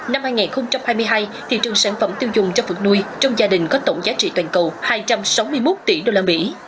năm hai nghìn hai mươi hai thị trường sản phẩm tiêu dùng cho vượt nuôi trong gia đình có tổng giá trị toàn cầu hai trăm sáu mươi một tỷ đô la mỹ